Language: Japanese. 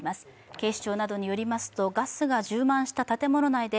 警視庁などによりますとガスが充満した建物内で